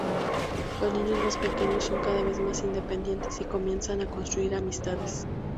Los niños más pequeños son cada vez más independientes y comienzan a construir amistades.